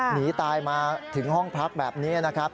หนีตายมาถึงห้องพักแบบนี้นะครับ